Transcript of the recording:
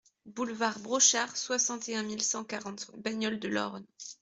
Boulevard Brochard, soixante et un mille cent quarante Bagnoles-de-l'Orne